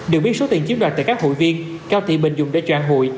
được biết số tiền chiếm đoạt từ các hủy viên cao thị bình dùng để tràn hủy